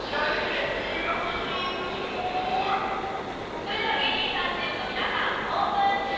それでは芸人さんチームの皆さんオープン！